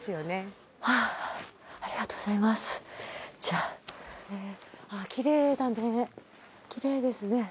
ああきれいだねきれいですね。